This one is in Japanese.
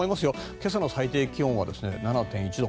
今朝の最低気温は７．１度。